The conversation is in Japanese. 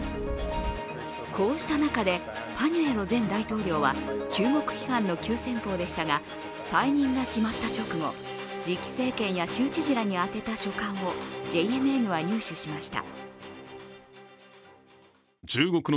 こうした中でパニュエロ前大統領は、中国批判の急先鋒でしたが退任が決まった直後、次期政権や州知事らに宛てた書簡をＪＮＮは入手しました。